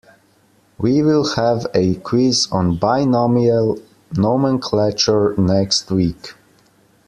We will have a quiz on binomial nomenclature next week.